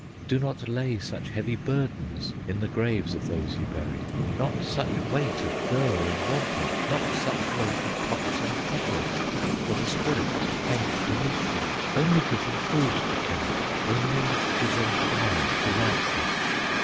"Do not lay such heavy burdens In the graves of those you bury, Not such weight of furs and wampum, Not such weight of pots and kettles, For the spirits faint beneath them. Only give them food to carry, Only give them fire to light them.